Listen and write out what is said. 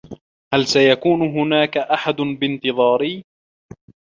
هل سيكون هناك أحد بانتظاري؟